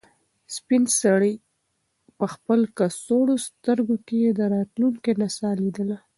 سپین سرې په خپل کڅوړنو سترګو کې د راتلونکي نڅا لیده.